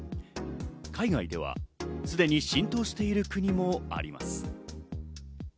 海外ではすでに浸透している国もあります。